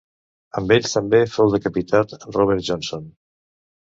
Amb ells també fou decapitat Robert Johnson.